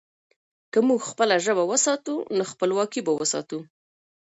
که موږ خپله ژبه وساتو، نو خپلواکي به وساتو.